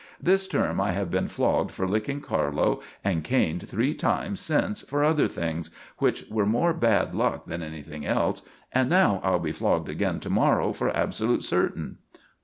"This term I have been flogged for licking Carlo, and caned three times since for other things, which were more bad luck than anything else; and now I'll be flogged again to morrow for absolute certain."